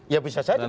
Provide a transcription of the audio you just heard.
ya bisa saja